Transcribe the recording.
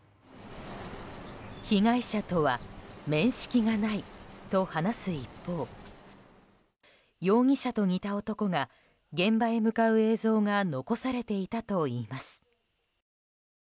被害者とは面識がないと話す一方容疑者と似た男が現場へ向かう映像が残されていたといいます。